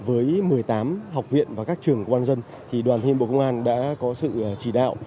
với một mươi tám học viện và các trường của quân dân đoàn thanh niên bộ công an đã có sự chỉ đạo